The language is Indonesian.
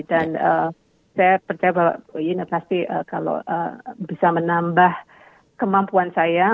dan saya percaya bahwa ini pasti kalau bisa menambah kemampuan saya